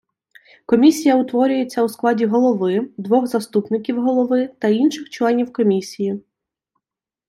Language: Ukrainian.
Комісія утворюється у складі голови, двох заступників голови та інших членів Комісії.